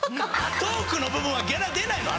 トークの部分はギャラ出ないの？